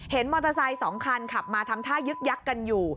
มอเตอร์ไซค์๒คันขับมาทำท่ายึกยักษ์กันอยู่